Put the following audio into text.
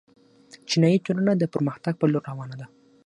چینايي ټولنه د پرمختګ په لور روانه ده.